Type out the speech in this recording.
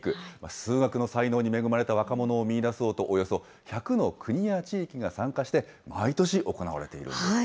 数学の才能に恵まれた若者を見いだそうとおよそ１００の国や地域が参加して、毎年行われているんです。